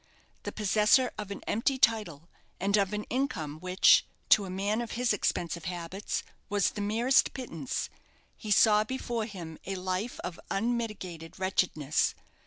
The possessor of an empty title, and of an income which, to a man of his expensive habits, was the merest pittance, he saw before him a life of unmitigated wretchedness.